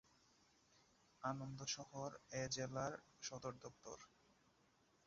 আনন্দ শহর এ জেলার সদরদপ্তর।